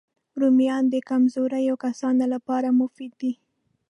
رومیان د کمزوریو کسانو لپاره مفید دي